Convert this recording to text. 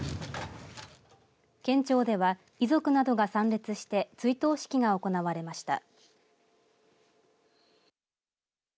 県庁では遺族などが参列して追悼式が行われました。